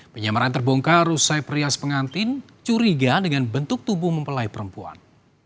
penyamaran terbongkar usai perias pengantin curiga dengan bentuk tubuh mempelai perempuan